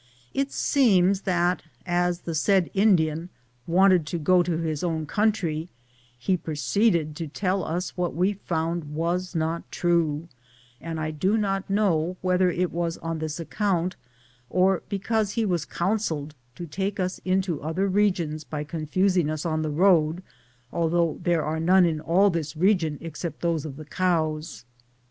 It seems that, as the said Indian wanted to go to his own country, he proceeded to tell us what we found was not true, and I do not know whether it was on this account or be cause he was counseled to take us into other regions by confusing us on the road, although there are none in all this region except those of the cows.